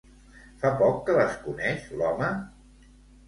Fa poc que les coneix l'home?